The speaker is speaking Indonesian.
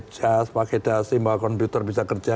jas pakai dasi bawa komputer bisa kerja